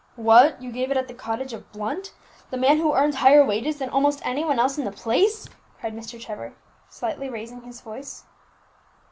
"What! you gave it at the cottage of Blunt, the man who earns higher wages than almost any one else in the place!" cried Mr. Trevor, slightly raising his voice.